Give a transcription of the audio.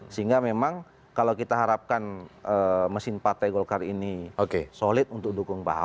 sehingga memang kalau kita harapkan mesin partai golkar ini solid untuk dukung pak ahok